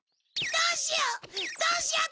どうしよう！